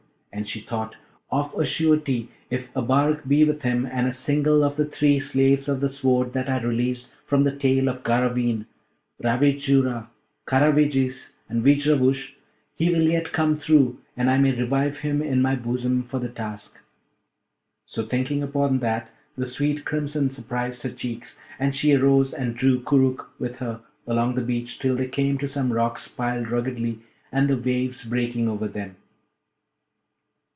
And she thought, 'Of a surety, if Abarak be with him, and a single of the three slaves of the Sword that I released from the tail of Garraveen, Ravejoura, Karavejis, and Veejravoosh, he will yet come through, and I may revive him in my bosom for the task.' So, thinking upon that, the sweet crimson surprised her cheeks, and she arose and drew Koorookh with her along the beach till they came to some rocks piled ruggedly and the waves breaking over them.